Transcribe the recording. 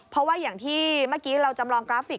เพราะว่าอย่างที่เมื่อกี้เราจำลองกราฟิก